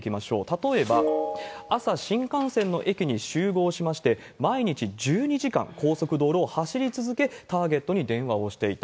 例えば、朝、新幹線の駅に集合しまして、毎日１２時間、高速道路を走り続け、ターゲットに電話をしていた。